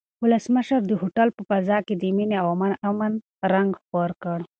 ولسمشر د هوټل په فضا کې د مینې او امن رنګ خپور کړ.